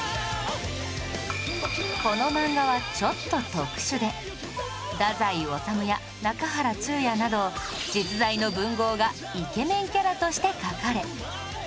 この漫画はちょっと特殊で太宰治や中原中也など実在の文豪がイケメンキャラとして描かれ